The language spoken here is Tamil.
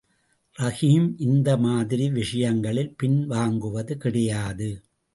ரஹீம் இந்த மாதிரி விஷயங்களில் பின்வாங்குவது கிடையாது.